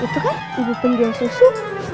itu kan ibu penjual susu